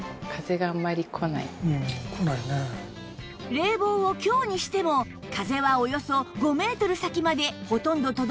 冷房を「強」にしても風はおよそ５メートル先までほとんど届きません